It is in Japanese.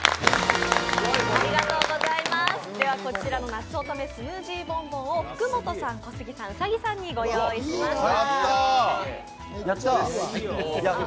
こちらのなつおとめスムージーボンボンを福本さん、小杉さん、兎さんにご用意しました。